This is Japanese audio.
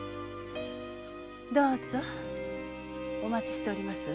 どうぞお待ちしておりますわ。